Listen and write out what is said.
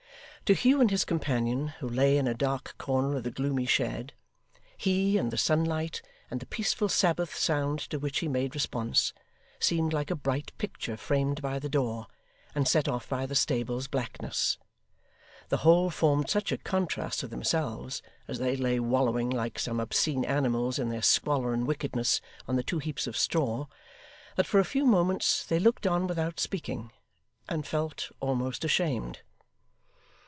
To Hugh and his companion, who lay in a dark corner of the gloomy shed, he, and the sunlight, and the peaceful Sabbath sound to which he made response, seemed like a bright picture framed by the door, and set off by the stable's blackness. The whole formed such a contrast to themselves, as they lay wallowing, like some obscene animals, in their squalor and wickedness on the two heaps of straw, that for a few moments they looked on without speaking, and felt almost ashamed.